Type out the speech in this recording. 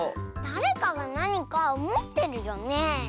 だれかがなにかもってるよね。